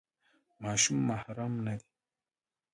ماشوم محرم نه دی.